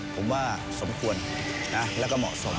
ผมว่าสมควรแล้วก็เหมาะสม